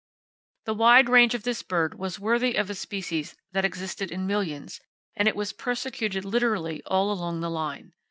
The wide range of this bird was worthy of a species that existed in millions, and it was persecuted literally all along the line.